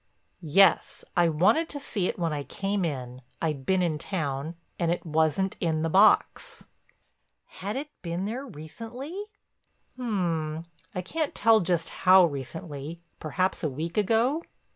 "Yes. I wanted to see it when I came in—I'd been in town—and it wasn't in the box." "Had it been there recently?" "Um—I can't tell just how recently—perhaps a week ago."